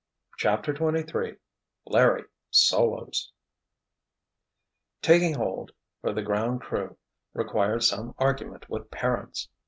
CHAPTER XXIII LARRY "SOLOS" Taking hold, for the "ground crew," required some argument with parents.